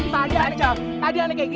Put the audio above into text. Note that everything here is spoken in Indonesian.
tadi aneh kayak gini